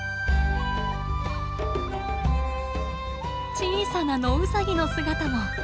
小さなノウサギの姿も。